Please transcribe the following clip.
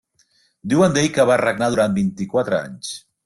Diuen d'ell que va regnar durant vint-i-quatre anys.